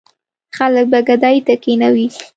خلک به ګدايۍ ته کېنوي.